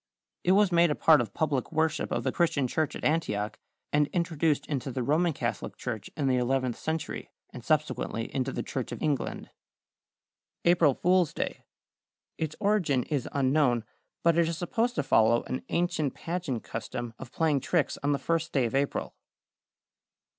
It was made a part of public worship of the Christian church at Antioch, and introduced into the Roman Catholic Church in the eleventh century, and subsequently into the Church of England. =April Fool's Day.= Its origin is unknown, but it is supposed to follow an ancient pageant custom of playing tricks on the first day of April.